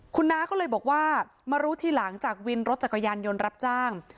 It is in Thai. คุณน้าก็เลยบอกว่ามารู้ทีหลังจากวินรถจักรยานยนต์รับจ้าง